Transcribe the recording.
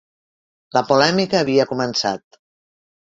La polèmica havia començat.